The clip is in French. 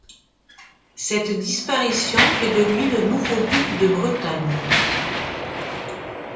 Cette disparition fait de lui le nouveau duc de Bretagne.